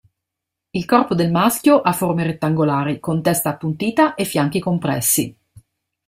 Il corpo del maschio ha forme rettangolari, con testa appuntita e fianchi compressi.